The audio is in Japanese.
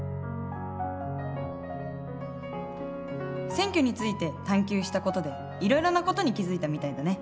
選挙について探究したことでいろいろなことに気付いたみたいだね。